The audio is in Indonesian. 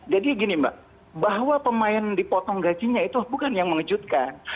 jadi gini mbak bahwa pemain dipotong gajinya itu bukan yang mengejutkan